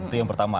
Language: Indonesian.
itu yang pertama